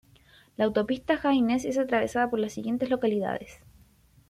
La Autopista Haines es atravesada por las siguientes localidades.